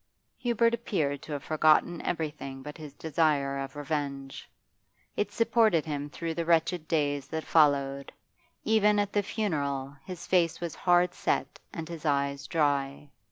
Hubert appeared to have forgotten everything but his desire of revenge. It supported him through the wretched days that followed even at the funeral his face was hard set and his eyes dry.